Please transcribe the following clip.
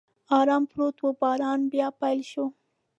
ارام پروت و، باران بیا پیل شو.